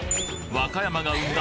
和歌山が生んだ